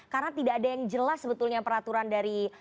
karena tidak ada yang jelas sebetulnya peraturan dari